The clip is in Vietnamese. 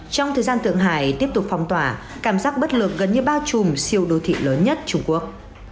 trong thời gian thượng hải tiếp tục phong tỏa cảm giác bất lược gần như bao trùm siêu đô thị lớn nhất trung quốc